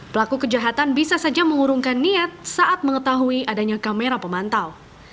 pelaku kejahatan bisa saja mengurungkan niat saat mengetahui adanya kamera pemantau